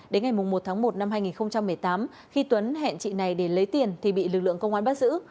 đến ngày một tháng một năm hai nghìn một mươi tám khi tuấn hẹn chị này để lấy tiền thì bị lực lượng công an bắt giữ